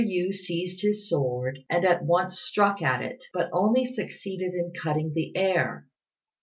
Yü seized his sword and at once struck at it; but only succeeded in cutting the air.